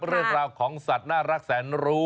เรื่องราวของสัตว์น่ารักแสนรู้